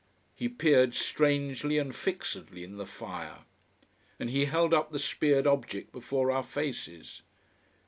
He peered strangely and fixedly in the fire. And he held up the speared object before our faces.